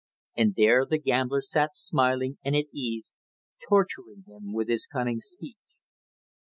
And there the gambler sat smiling and at ease, torturing him with his cunning speech.